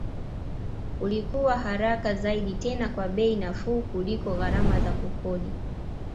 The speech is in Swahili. Ulikuwa haraka zaidi tena kwa bei nafuu kuliko gharama za kukodi